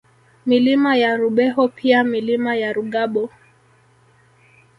Milima ya Rubeho pia Milima ya Rugabo